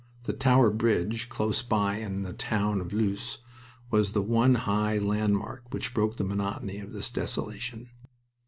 The "Tower Bridge," close by in the town of Loos, was the one high landmark which broke the monotony of this desolation.